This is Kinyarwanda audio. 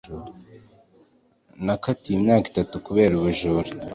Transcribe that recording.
Nakatiwe imyaka itatu kubera ubujura.